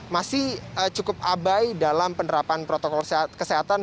masih cukup abai dalam penerapan protokol kesehatan